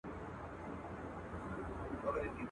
دردونه څنګه خطاباسې د ټکور تر کلي.